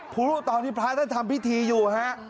รู้ตอนที่พระท่านทำพิธีอยู่ฮะ